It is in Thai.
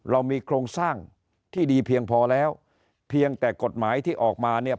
เรามีโครงสร้างที่ดีเพียงพอแล้วเพียงแต่กฎหมายที่ออกมาเนี่ย